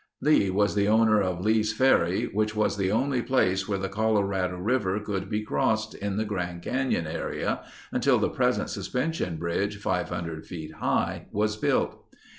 Lee was the owner of Lee's Ferry, which was the only place where the Colorado River could be crossed in the Grand Canyon area until the present suspension bridge 500 feet high was built.